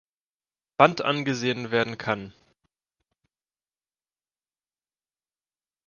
Band angesehen werden kann.